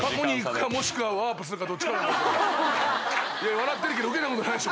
笑ってるけど受けたことないでしょ。